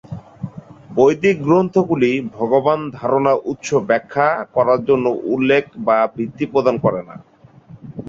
বৈদিক গ্রন্থগুলি ভগবান ধারণার উৎস ব্যাখ্যা করার জন্য উল্লেখ বা ভিত্তি প্রদান করে না।